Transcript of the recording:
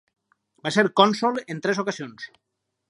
Va ser cònsol en tres ocasions.